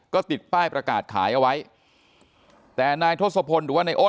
ก็ติดป้ายประกาศขายเอาไว้แต่นายทศพล